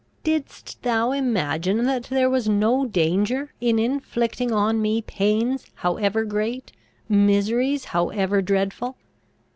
Didst thou imagine that there was no danger in inflicting on me pains however great, miseries however dreadful?